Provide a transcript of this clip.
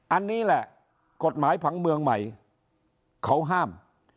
อันนี้แหละกฎหมายผังเมืองใหม่เขาห้าม